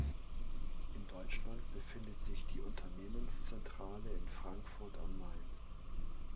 In Deutschland befindet sich die Unternehmenszentrale in Frankfurt am Main.